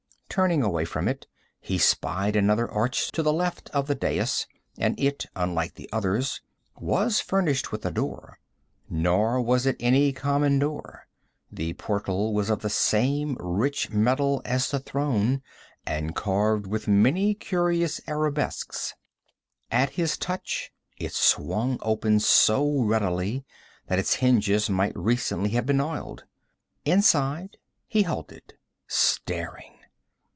Turning away from it, he spied another arch to the left of the dais, and it, unlike the others, was furnished with a door. Nor was it any common door. The portal was of the same rich metal as the throne, and carved with many curious arabesques. At his touch it swung open so readily that its hinges might recently have been oiled. Inside he halted, staring.